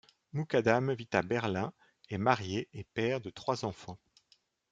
Moukaddam vit à Berlin, est marié et père de trois enfants.